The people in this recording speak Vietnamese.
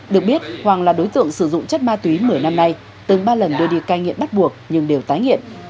được biết hoàng là đối tượng sử dụng chất ma túy một mươi năm nay từng ba lần đưa đi cai nghiện bắt buộc nhưng đều tái nghiện